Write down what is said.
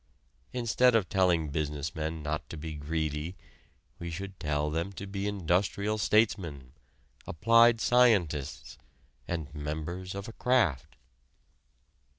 Instead of telling business men not to be greedy, we should tell them to be industrial statesmen, applied scientists, and members of a craft.